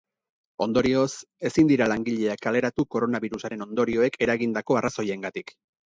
Ondorioz, ezin dira langileak kaleratu koronabirusaren ondorioek eragindako arrazoiengatik.